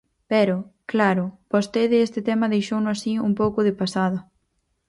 Pero, claro, vostede este tema deixouno así un pouco de pasada.